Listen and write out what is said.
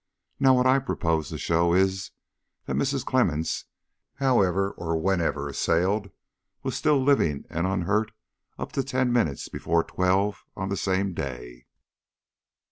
Now, what I propose to show is, that Mrs. Clemmens, however or whenever assailed, was still living and unhurt up to ten minutes before twelve on that same day.